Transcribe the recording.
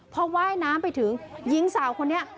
พอว่ายน้ำไปถึงหญิงสาวคนนี้